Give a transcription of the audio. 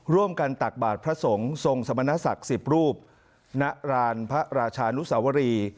ตักบาทพระสงฆ์ทรงสมณศักดิ์๑๐รูปณรานพระราชานุสวรี